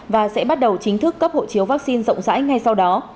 và sẽ bắt đầu chính thức cấp hộ chiếu vaccine rộng rãi ngay sau đó